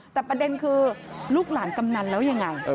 แต่ประเด็นคือลูกหลานกำนันแล้วยังไง